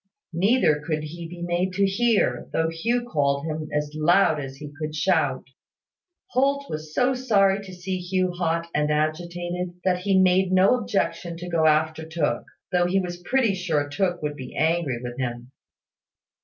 Neither could he be made to hear, though Hugh called him as loud as he could shout. Holt was so sorry to see Hugh hot and agitated, that he made no objection to going after Tooke, though he was pretty sure Tooke would be angry with him.